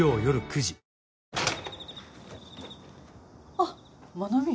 あっ真奈美。